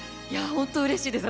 本当うれしいです